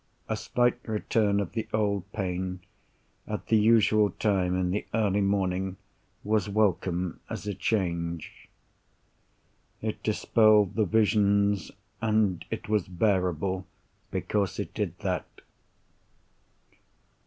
A slight return of the old pain, at the usual time in the early morning, was welcome as a change. It dispelled the visions—and it was bearable because it did that.